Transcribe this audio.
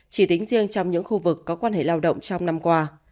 chỉ tính riêng trong những khu vực có quan hệ lao động trong năm qua